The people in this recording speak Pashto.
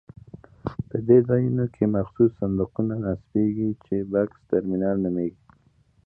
په دې ځایونو کې مخصوص صندوقونه نصبېږي چې بکس ترمینل نومېږي.